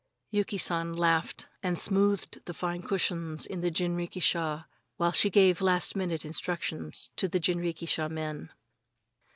Yuki San laughed and smoothed the cushions in the jinrikisha while she gave minute directions to the jinrikisha men.